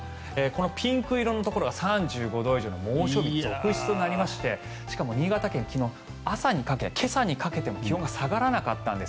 ピンク色のところが３５度以上の猛暑日続出となりまして新潟県、今朝にかけても気温が下がらなかったんです。